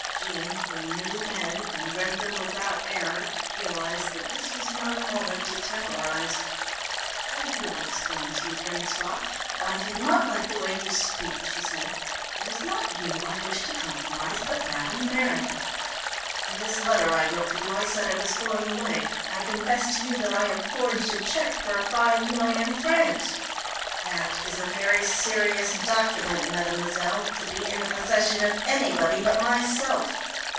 Jean, who knew men, and read them without error, realised that this was not a moment to temporise. "I will explain to you, François, but I do not like the way you speak," she said. "It is not you I wish to compromise, but Madame Meredith." "In this letter I wrote for you I said I was going away. I confessed to you that I had forged a cheque for five million francs. That is a very serious document, mademoiselle, to be in the possession of anybody but myself."